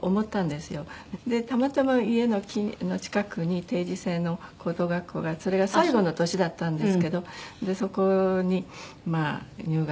でたまたま家の近くに定時制の高等学校がそれが最後の年だったんですけどそこに入学をして。